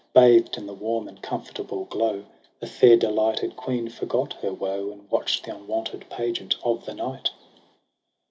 Bathed in the warm and comfortable glow, The fair delighted queen forgot her woe. And watch'd the unwonted pageant of the night.